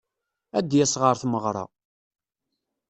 Ad d-yas ɣer tmeɣra.